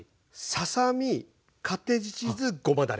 ささ身カッテージチーズごまだれ。